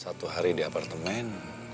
satu hari di apartemen